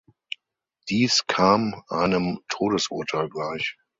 Dies kam einem Todesurteil gleich.